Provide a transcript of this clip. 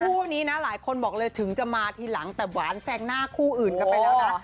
คู่นี้นะหลายคนบอกเลยถึงจะมาทีหลังแต่หวานแซงหน้าคู่อื่นกันไปแล้วนะ